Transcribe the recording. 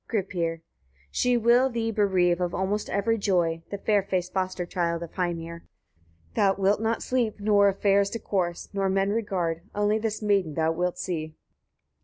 Gripir. 29. She will thee bereave of almost every joy, the fair faced foster child of Heimir. Thou wilt not sleep, nor of affairs discourse, nor men regard; only this maiden thou wilt see.